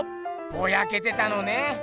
ボヤけてたのね。